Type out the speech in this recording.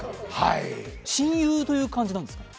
親友という感じなんですか？